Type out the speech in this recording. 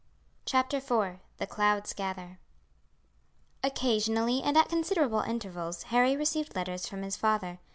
CHAPTER IV The Clouds Gather Occasionally and at considerable intervals Harry received letters from his father.